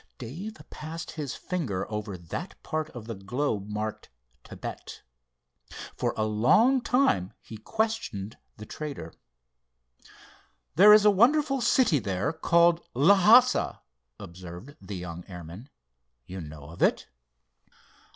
Dave passed his finger over that part of the globe marked Thibet. For a long time he questioned the trader. "There is a wonderful city there, called Lhassa," observed the young airman. "You know of it?"